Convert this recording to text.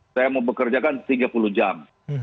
saya mau bekerjakan tiga puluh jam